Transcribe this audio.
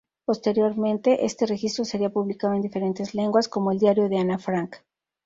Posteriormente, este registro sería publicado en diferentes lenguas como "El diario de Ana Frank".